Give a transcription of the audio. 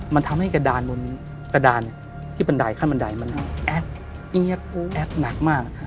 มันทำให้กระดานบนกระดานที่บันไดขั้นบันไดมันแอ๊กแอ๊กหนักมาก